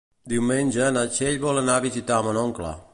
Diumenge na Txell vol anar a visitar mon oncle.